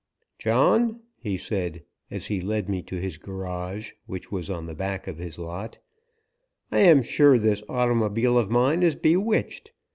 "John," he said, as he led me to his garage, which was on the back of his lot, "I am sure this automobile of mine is bewitched.